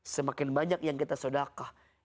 semakin banyak yang kita sodakah